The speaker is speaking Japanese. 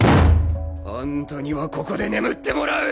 あんたにはここで眠ってもらう！